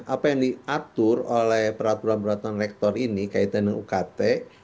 apa yang diatur oleh peraturan peraturan rektor ini kaitan dengan ukt